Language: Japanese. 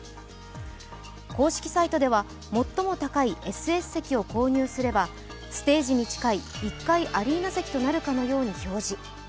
公式サイトでは、最も高いＳＳ席を購入すればステージに近い１階アリーナ席となるかのように表示。